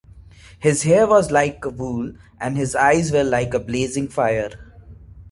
His hair was like wool, and his eyes were like blazing fire.